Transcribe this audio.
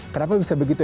kenapa bisa begitu